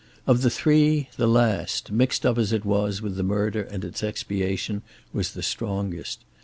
Of the three, the last, mixed up as it was with the murder and its expiation, was the strongest.